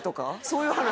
そういう話？